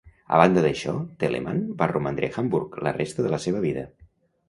A banda d'això, Telemann va romandre a Hamburg la resta de la seva vida.